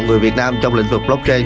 người việt nam trong lĩnh vực blockchain